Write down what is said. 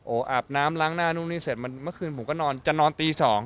อาบน้ำล้างหน้านู่นนี่เสร็จเมื่อคืนผมก็นอนจะนอนตี๒